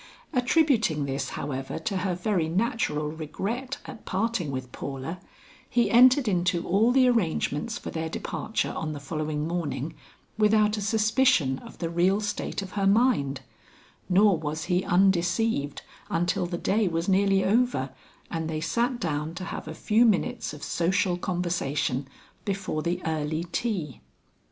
Attributing this however to her very natural regret at parting with Paula, he entered into all the arrangements for their departure on the following morning without a suspicion of the real state of her mind, nor was he undeceived until the day was nearly over and they sat down to have a few minutes of social conversation before the early tea.